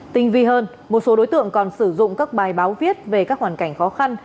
tinh vi hơn một số đối tượng còn sử dụng các bài báo viết về các hoàn cảnh khó khăn